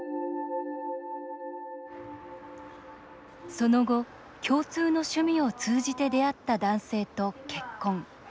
その後、共通の趣味を通じて出会った男性と結婚。